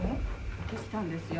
出来たんですよ。